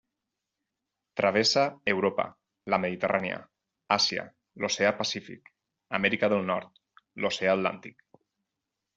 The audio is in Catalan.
Travessa Europa, la Mediterrània Àsia, l'Oceà Pacífic, Amèrica del Nord l'oceà Atlàntic.